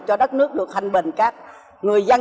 cho đất nước được hành bình các người dân